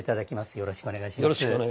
よろしくお願いします。